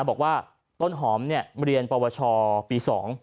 บอกว่าต้นหอมเรียนปวชปี๒